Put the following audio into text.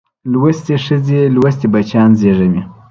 لوستې ښځې لوستي بچیان روزي